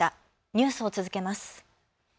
ニュースを続けます。